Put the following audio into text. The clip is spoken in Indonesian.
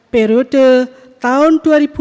periode tahun dua ribu sembilan belas